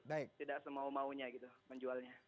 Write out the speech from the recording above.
tidak semau maunya gitu menjualnya